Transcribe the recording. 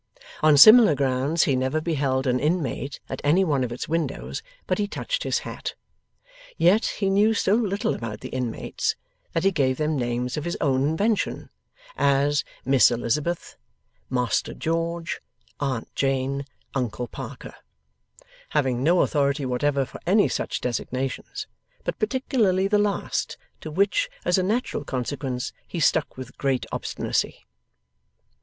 On similar grounds he never beheld an inmate at any one of its windows but he touched his hat. Yet, he knew so little about the inmates that he gave them names of his own invention: as 'Miss Elizabeth', 'Master George', 'Aunt Jane', 'Uncle Parker ' having no authority whatever for any such designations, but particularly the last to which, as a natural consequence, he stuck with great obstinacy.